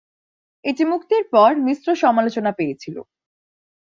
এটি মুক্তির পর মিশ্র সমালোচনা পেয়েছিল।